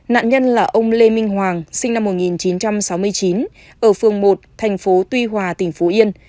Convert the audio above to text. nạn nhân là ông lê minh hoàng sinh năm một nghìn chín trăm sáu mươi chín ở phường một thành phố tuy hòa tỉnh phú yên